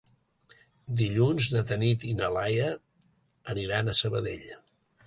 Dilluns na Tanit i na Laia aniran a Sabadell.